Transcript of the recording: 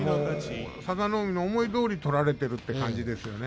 佐田の海の思いどおりに取れてるという感じですよね。